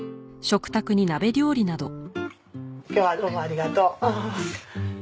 今日はどうもありがとう。